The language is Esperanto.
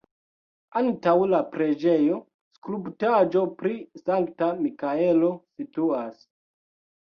Antaŭ la preĝejo skulptaĵo pri Sankta Mikaelo situas.